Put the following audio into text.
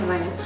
cek mernah ya